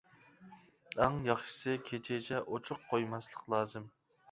ئەڭ ياخشىسى كېچىچە ئوچۇق قويماسلىق لازىم.